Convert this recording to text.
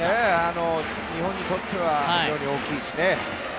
日本にとっては非常に大きいしね。